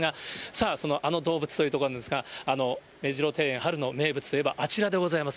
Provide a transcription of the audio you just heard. さあ、あの動物というところなんですが、目白庭園、春の名物といえばあちらでございます。